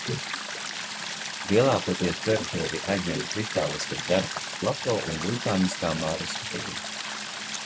Lielākoties teritoriju aizņem kristāliskais Dārfūras plato un vulkāniskā Marras kalniene.